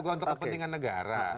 untuk kepentingan negara